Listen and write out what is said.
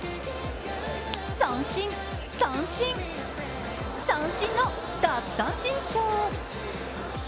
三振、三振、三振の奪三振ショー。